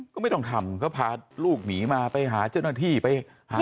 ก็ไม่ต้องทำก็พาลูกหนีมาไปหาเจ้าหน้าที่ไปหา